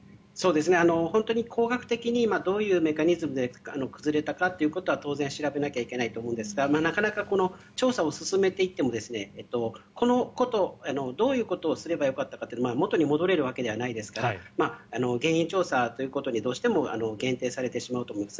本当に工学的にどういうメカニズムで崩れたかということは当然、調べなきゃいけないと思うんですがなかなか調査を進めていってもどういうことをすればよかったか元に戻れるわけではないですから原因調査ということにどうしても限定されてしまうと思うんです。